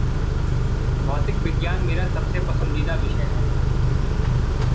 भौतिक विज्ञान मेरा सबसे पसंदीता विषय है।